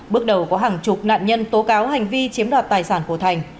bước đầu có hàng chục nạn nhân tố cáo hành vi chiếm đoạt tài sản của thành